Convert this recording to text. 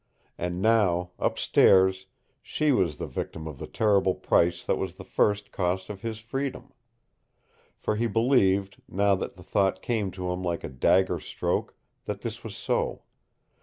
And now, upstairs, she was the victim of the terrible price that was the first cost of his freedom. For he believed, now that the thought came to him like a dagger stroke, that this was so.